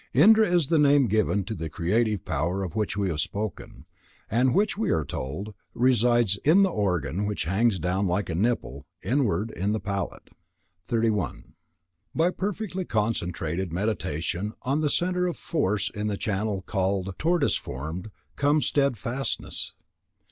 Indra is the name given to the creative power of which we have spoken, and which, we are told, resides in "the organ which hangs down like a nipple, inward, in the palate." 31. By perfectly concentrated Meditation on the centre of force in the channel called the "tortoise formed," comes steadfastness.